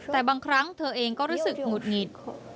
แต่บางครั้งเธอเองก็รู้สึกหงุดหงิด